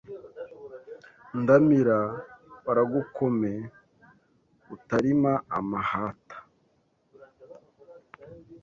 Ndamira baragukome utarima amahata